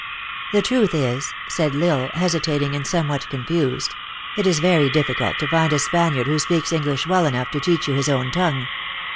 " The truth is," said L Isle, hesitating and some what confused, "it is very difficult to find a Spaniard who speaks English well enough to teach you his own tongue."